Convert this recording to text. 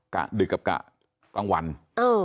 กะดึกกับกะกลางวันเออ